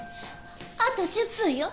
あと１０分よ。